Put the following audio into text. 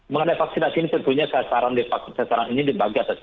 mengenai vaksinasi ini tentunya sasaran ini dibagi atas